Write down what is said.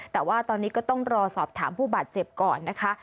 แต่ว่าตอนนี้ก็ต้องรอสอบถามผู้บาดเจ็บก่อนนะคะ